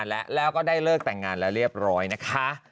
เก่งเก่งเก่งเก่งเก่งเก่ง